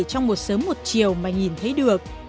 trong một sớm một chiều mà nhìn thấy được